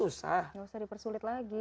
gak usah dipersulit lagi